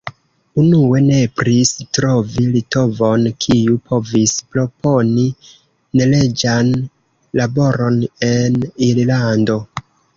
Unue nepris trovi litovon, kiu povis proponi neleĝan laboron en Irlando.